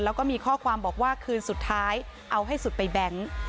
แล้วก็มีข้อความบอกว่าคืนสุดท้ายเอาให้สุดไปแบงค์